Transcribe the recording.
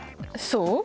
そう？